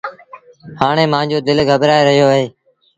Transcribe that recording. هآڻي مآݩجو دل گٻرآئي رهيو اهي۔